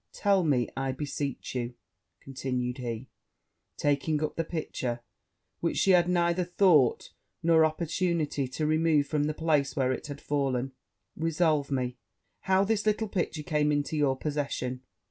Tell me, I beseech you,' continued he, taking up the picture, which she had neither thought nor opportunity to remove from the place where it had fallen; 'resolve me how this little picture came into your possession?'